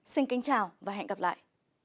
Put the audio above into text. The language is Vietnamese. xin kính chào và hẹn gặp lại